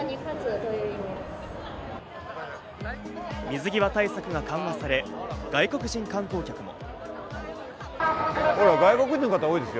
水際対策が緩和され、外国人観光客も。